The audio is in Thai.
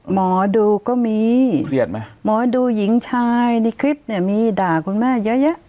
หมอดูก็มีเครียดไหมหมอดูหญิงชายในคลิปเนี่ยมีด่าคุณแม่เยอะแยะ